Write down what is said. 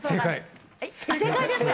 正解ですか？